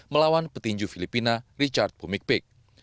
melawan petinju filipina richard pumikpik